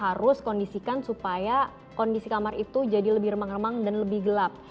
harus kondisikan supaya kondisi kamar itu jadi lebih remang remang dan lebih gelap